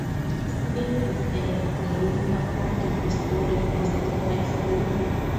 Smith is an alumna of the historic Western High School.